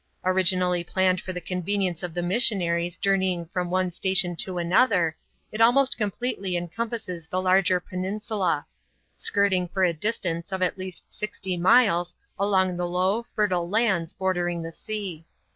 Originally planned for the convenience of the missionaries joume3ring from one station to another, it almost completely encompasses the larger peninsula ; skirting for a distance of at least sixty miles along the low, fertile lands bordering the sea.